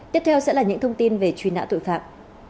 tiếp theo sẽ là những thông tin về truy nã tội phạm